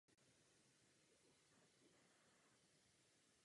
Z návsi vede ke kostelu z jedné strany schodiště.